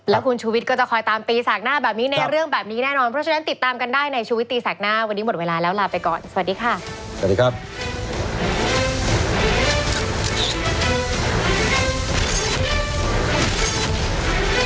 แล้วคุณชุวิตก็จะคอยตามปีศากหน้าแบบนี้ในเรื่องแบบนี้แน่นอน